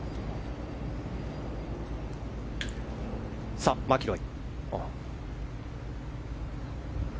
さあ、マキロイ。